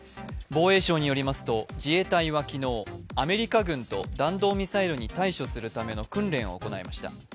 防衛省によりますと、自衛隊は昨日アメリカ軍と弾道ミサイルに対処するための訓練を行いました。